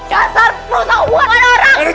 dasar perusahaan gue sama orang